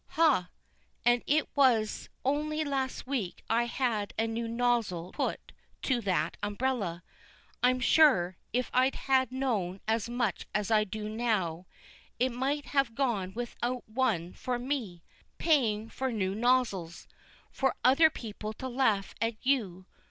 "Ha! and it was only last week I had a new nozzle put to that umbrella. I'm sure, if I'd have known as much as I do now, it might have gone without one for me. Paying for new nozzles, for other people to laugh at you.